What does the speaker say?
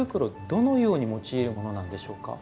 どのように用いるものなんでしょうか。